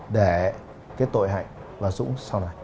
để cái tội hạnh và dũng sau này